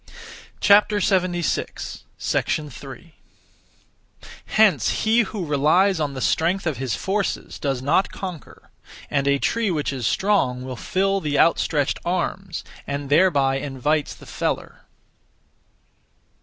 3. Hence he who (relies on) the strength of his forces does not conquer; and a tree which is strong will fill the out stretched arms, (and thereby invites the feller.)